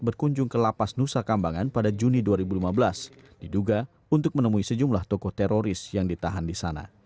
berkunjung ke lapas nusa kambangan pada juni dua ribu lima belas diduga untuk menemui sejumlah tokoh teroris yang ditahan di sana